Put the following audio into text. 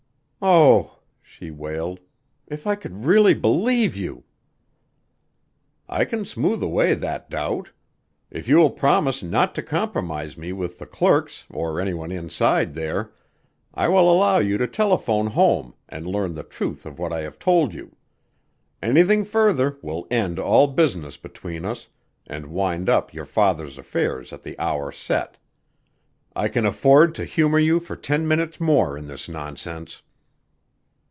"Oh!" she wailed. "If I could really believe you!" "I can smooth away that doubt. If you will promise not to compromise me with the clerks or any one inside there, I will allow you to telephone home and learn the truth of what I have told you. Anything further will end all business between us and wind up your father's affairs at the hour set. I can afford to humor you for ten minutes more in this nonsense."